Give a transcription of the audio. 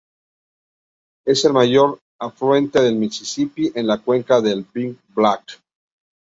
Es el mayor afluente del Misisipi en la cuenca del Big Black.